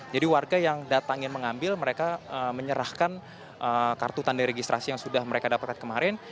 jadi warga yang datangin mengambil mereka menyerahkan kartu tanda registrasi yang sudah mereka dapatkan kemarin